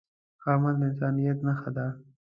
ښه عمل د انسانیت نښه ده.